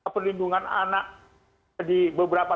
perlindungan anak di beberapa